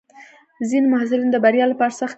ځینې محصلین د بریا لپاره سخت کار کوي.